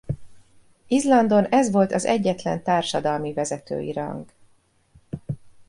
Izlandon ez volt az egyetlen társadalmi vezetői rang.